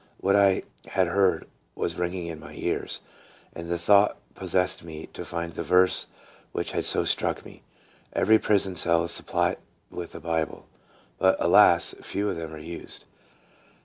What I had heard was ringing in my ears, and the thought pos sessed me to find the verse which had so struck me. Every prison cell is supplied with a Bible ; but, alas ! few of them are used.